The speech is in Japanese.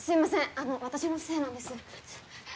あの私のせいなんです。